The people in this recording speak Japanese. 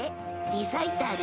リサイタル？